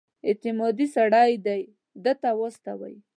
اعتمادي سړی دې ده ته واستوي.